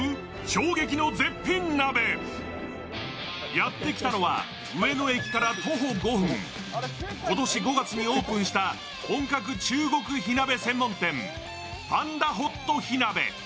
やってきたのは上野駅から徒歩５分、今年５月にオープンした本格中国火鍋専門店パンダホット火鍋。